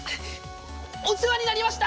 お世話になりました！